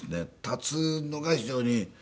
立つのが非常に。